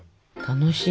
楽しい。